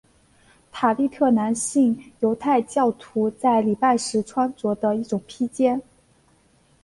塔利特是男性犹太教徒在礼拜时穿着的一种披肩。